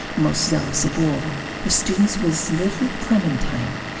Most zealous of all the students was little Clementine.